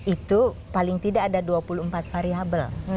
itu paling tidak ada dua puluh empat variable